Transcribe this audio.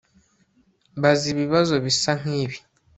baza ibibazo bisa nk'ibi